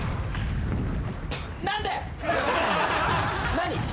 何？